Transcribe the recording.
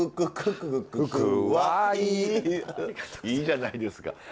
いいじゃないですか。